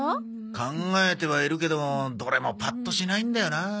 考えてはいるけどどれもパッとしないんだよなあ。